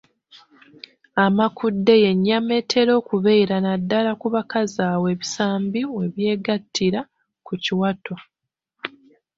Amakudde y’ennyama etera okubeera naddala ku bakazi awo ebisambi we byegattira ku kiwato.